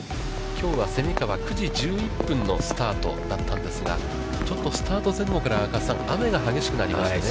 きょうは蝉川、９時１１分のスタートだったんですが、ちょっとスタート前後から、雨が激しくなりましたね。